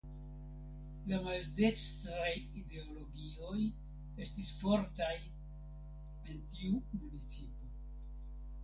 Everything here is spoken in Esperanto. La maldekstraj ideologioj estis fortaj en tiu municipo.